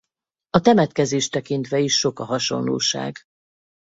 A temetkezést tekintve is sok a hasonlóság.